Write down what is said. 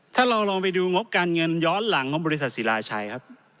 ถ้าเราลองไปดูงบการเงินย้อนหลังของบริษัทศิลาชัยครับ